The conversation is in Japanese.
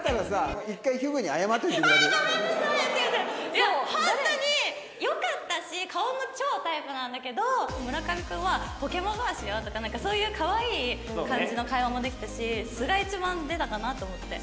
いやホントによかったし顔も超タイプなんだけど村上君は「『ポケモンＧＯ』しよう」とかそういうかわいい感じの会話もできたし素が一番出たかなと思って。